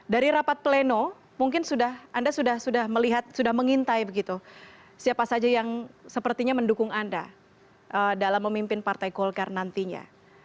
dari rapat pleno mungkin anda sudah melihat sudah mengintai begitu siapa saja yang sepertinya mendukung anda dalam memimpin partai golkar nantinya